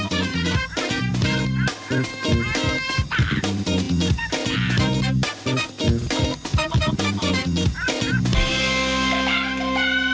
โปรดติดตามตอนต่อไป